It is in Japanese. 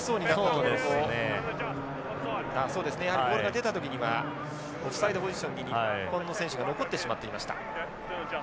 そうですねやはりボールが出た時にはオフサイドポジションに日本の選手が残ってしまっていました。